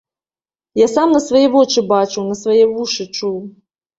Я сам на свае вочы бачыў, на свае вушы чуў.